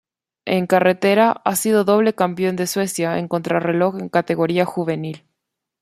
En carretera ha sido doble campeón de Suecia en contrarreloj en categoría juvenil.